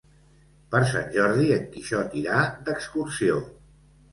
Per Sant Jordi en Quixot irà d'excursió.